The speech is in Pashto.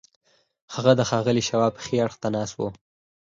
هغه د ښاغلي شواب ښي اړخ ته ناست و